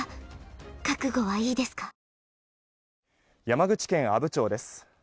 山口県阿武町です。